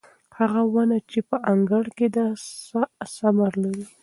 هغه ونه چې په انګړ کې ده ښه ثمر لري.